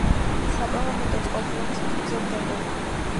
საპარლამენტო წყობილების ფუძემდებელი.